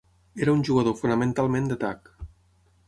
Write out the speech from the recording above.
Era un jugador fonamentalment d'atac.